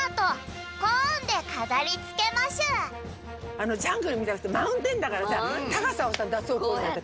あのジャングルみたいじゃなくてマウンテンだからさ高さをさだそうとおもって。